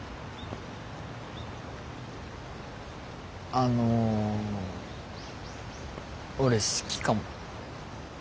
あの俺好きかも。